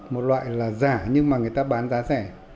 một loại là giả nhưng mà người ta bán giá rẻ